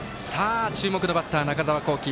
注目のバッター、中澤恒貴。